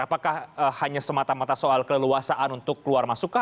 apakah hanya semata mata soal keluasaan untuk keluar dari sana